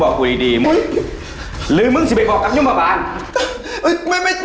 เฮ้ยยินด้วยเศษป้าพวกเขาอาจจะแบบนั้น